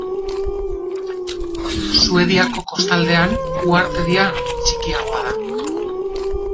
Suediako kostaldean uhartedia txikiagoa da.